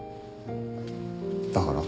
だから？